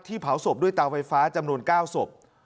เผาศพด้วยเตาไฟฟ้าจำนวน๙ศพ